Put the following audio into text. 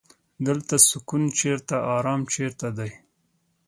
دلته سکون چرته ارام چرته دی.